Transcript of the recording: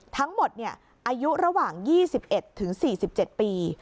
ทั้งหมดอายุระหว่าง๒๑๔๗ปี